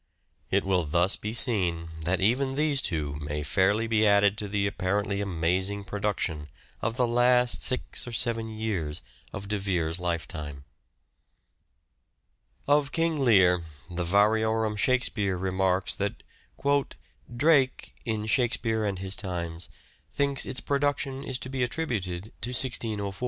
It will thus be seen that even these two may fairly be added to the apparently amazing produc tion of the last six or seven years of De Vere's lifetime. Of "King Lear," the"Variorum Shakespeare" remarks that " Drake (in ' Shakespeare and his Times ') thinks its production is to be attributed to 1604. ...